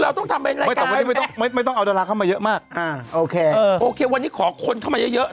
ไม่ต้องเอาก็ไม่ต้องเอามาเยอะมากมาโอเคโอเคเบอร์ตะวันนี้ขอคนข้ามันเยอะ